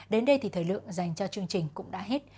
đến đây thì thời lượng dành cho chương trình cũng đã hết